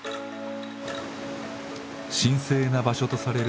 神聖な場所とされる